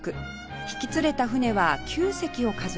引き連れた船は９隻を数えました